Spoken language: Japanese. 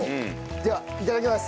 ではいただきます。